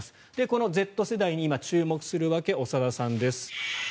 このＺ世代に今、注目する訳長田さんです。